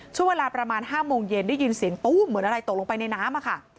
ช่วงเวลาประมาณ๕โมงเย็นได้ยินเสียงตู้มเหมือนอะไรตกลงไปในน้ำอะค่ะ